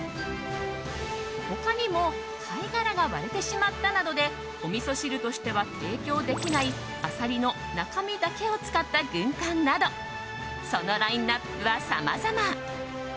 他にも貝殻が割れてしまったなどでおみそ汁としては提供できないアサリの中身だけを使った軍艦などそのラインアップはさまざま。